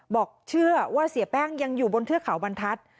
บอกเชื่อว่าเสียแป้งยังอยู่บนเทือกเขาบรรทัศน์